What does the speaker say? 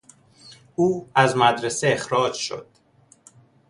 او از مدرسه اخراج شد.